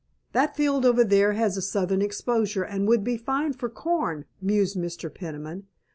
"That field over there has a southern exposure and would be fine for corn," mused Mr. Peniman.